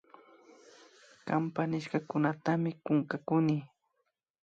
Kanpa nishkakunatami kunkakuni